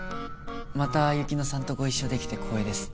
また雪乃さんとご一緒できて光栄です。